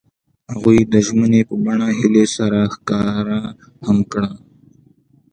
هغوی د ژمنې په بڼه هیلې سره ښکاره هم کړه.